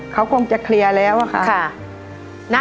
เขาคงจะเคลียร์แล้วค่ะ